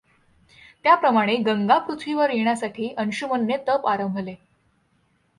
त्याप्रमाणे गंगा पृथ्वीवर येण्यासाठी अंशुमनने तप आरंभले.